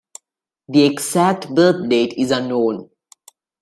The exact birthdate is unknown.